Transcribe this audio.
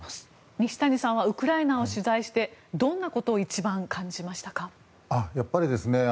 西谷さんはウクライナを取材してどんなことを一番感じましたか？